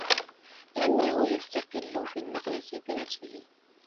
لِأَنَّهُ يَسْتَقِلُّ فِي النَّقْلَةِ بِنَفْسِهِ